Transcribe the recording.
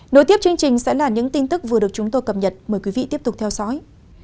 nối tiếp chương trình sẽ là những tin tức vừa được chúng tôi cập nhật mời quý vị tiếp tục theo dõi